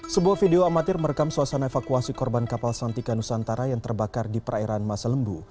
sebuah video amatir merekam suasana evakuasi korban kapal santika nusantara yang terbakar di perairan masa lembu